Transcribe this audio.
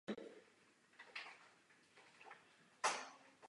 Nabízí znalosti a dovednosti pro budoucí profesionály v oboru kulturního dědictví.